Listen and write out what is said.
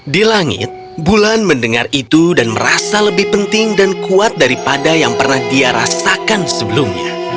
di langit bulan mendengar itu dan merasa lebih penting dan kuat daripada yang pernah dia rasakan sebelumnya